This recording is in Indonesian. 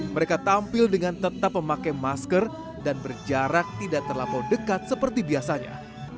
mereka tampil dengan tetap memakai masker dan berjarak tidak terlampau dekat seperti biasanya